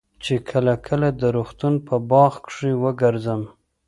چې کله کله د روغتون په باغ کښې وګرځم.